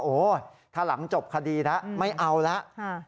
โอ้โหถ้าหลังจบคดีแล้วไม่เอาแล้ว